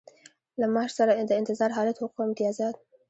له معاش سره د انتظار حالت حقوق او امتیازات.